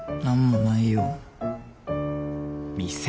何もないよ。